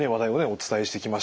お伝えしてきました。